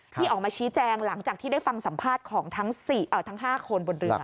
ที่ออกมาชี้แจงหลังจากที่ได้ฟังสัมภาษณ์ของทั้ง๕คนบนเรือ